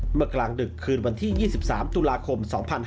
เมื่อกลางดึกคืนวันที่๒๓ตุลาคม๒๕๕๙